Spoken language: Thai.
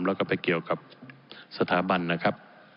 แล้วก็ไปเกี่ยวกับสถาบันนะครับ